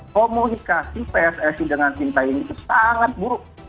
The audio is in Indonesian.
komunikasi pssi dengan sintayong itu sangat buruk